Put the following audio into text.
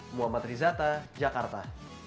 muhammad rizata jakarta